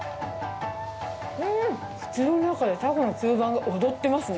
うーん、口の中でタコの吸盤が踊ってますね。